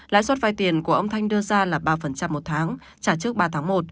lãi suất vai tiền của ông thanh đưa ra là ba một tháng trả trước ba tháng một